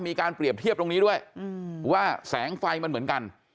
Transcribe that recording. มีการเปรียบเทียบตรงนี้ด้วยว่าแสงไฟมันเหมือนกัน